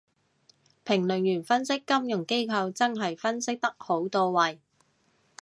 評論員分析金融機構真係分析得好到位